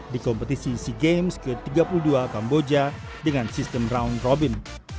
di kompetisi sea games ke tiga puluh dua kamboja dengan sistem round robin